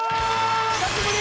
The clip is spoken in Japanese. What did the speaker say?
久しぶり